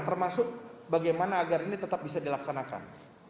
termasuk bagaimana agar ini tetap bisa dilaksanakan